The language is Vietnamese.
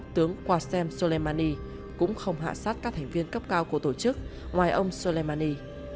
tướng wasem soleimani cũng không hạ sát các thành viên cấp cao của tổ chức ngoài ông soleimani